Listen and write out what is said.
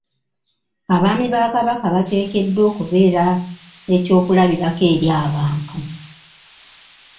Abaami ba Kabaka bateekeddwa okubeera ekyokulabirako eri abantu.